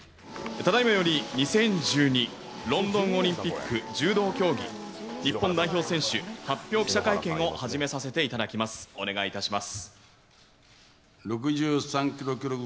ただいまより２０１２ロンドンオリンピック柔道競技日本代表選手発表記者会見を始めさせていただきます。